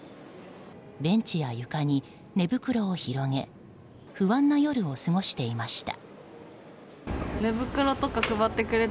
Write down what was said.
ベンチや床に寝袋を広げ不安な夜を過ごしていました。